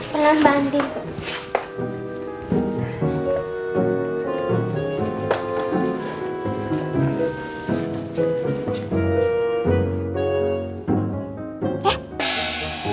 pelan mbak andien